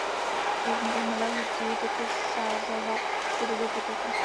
Jižně od Nové Huti teče Sázava v podobě potoka.